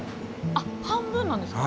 半分なんですか。